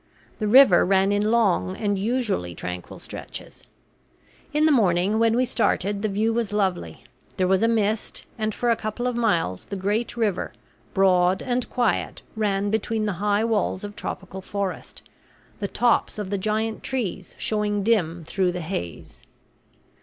The river ran in long and usually tranquil stretches. In the morning when we started the view was lovely. There was a mist, and for a couple of miles the great river, broad and quiet, ran between the high walls of tropical forest, the tops of the giant trees showing dim through the haze.